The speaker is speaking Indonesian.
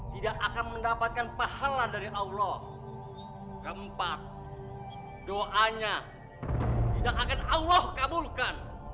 tidak akan allah kabulkan